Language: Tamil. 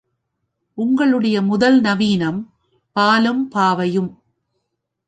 உங்களுடைய முதல் நவீனம் பாலும் பாவையும்.